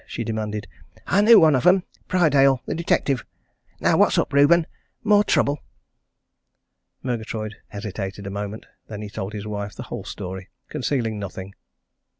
she demanded. "I knew one of 'em Prydale, the detective. Now what's up, Reuben? More trouble?" Murgatroyd hesitated a moment. Then he told his wife the whole story concealing nothing.